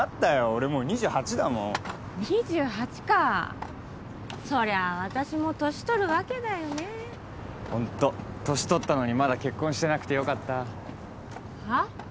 俺もう２８だもん２８かそりゃ私も年取るわけだよねホント年取ったのにまだ結婚してなくてよかったはっ？